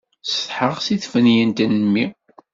Ssetḥaɣ seg tiffinyent n mmi.